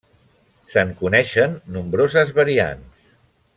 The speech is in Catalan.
Se'n coneixen nombroses variants.